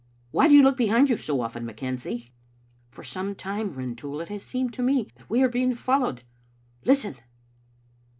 Why do you look behind you so often, McKenzie?" " For some time, Rintoul, it has seemed to me that we are being followed. Listen!"